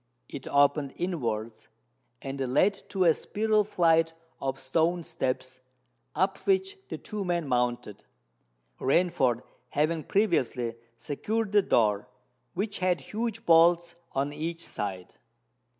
It opened inwards, and led to a spiral flight of stone steps, up which the two men mounted, Rainford having previously secured the door, which had huge bolts on each side.